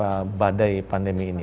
tapi badai pandemi ini